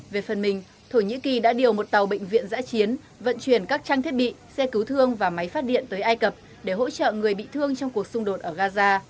về phần mình thổ nhĩ kỳ đã điều một tàu bệnh viện giã chiến vận chuyển các trang thiết bị xe cứu thương và máy phát điện tới ai cập để hỗ trợ người bị thương trong cuộc xung đột ở gaza